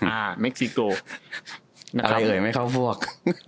อะไรเหลือไม่เข้าพวก